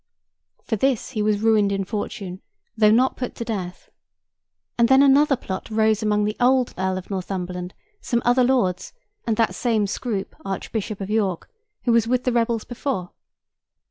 For this he was ruined in fortune, though not put to death; and then another plot arose among the old Earl of Northumberland, some other lords, and that same Scroop, Archbishop of York, who was with the rebels before.